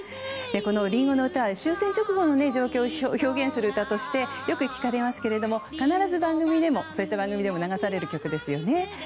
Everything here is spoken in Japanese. この「リンゴの唄」は終戦直後の状況を表現する歌としてよく聞かれますけれども必ずそういった番組でも流される曲ですよね。